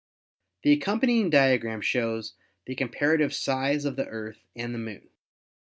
The accompanying diagram shows the comparative size of the Earth and the Moon.